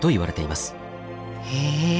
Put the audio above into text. へえ。